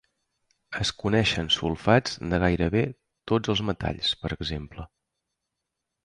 Es coneixen sulfats de gairebé tots els metalls, per exemple.